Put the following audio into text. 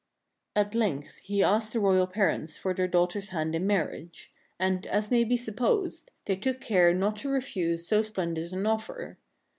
At length he asked the royal parents for their daughter's hand in marriage; and, as may be supposed, they took care not to refuse so splendid an offer.